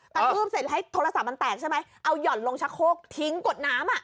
กระทืบเสร็จให้โทรศัพท์มันแตกใช่ไหมเอาหย่อนลงชะโคกทิ้งกดน้ำอ่ะ